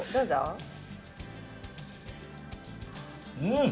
うん！